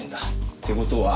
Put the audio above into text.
って事は。